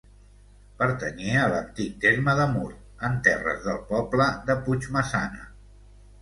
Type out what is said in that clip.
Pertanyia a l'antic terme de Mur, en terres del poble de Puigmaçana.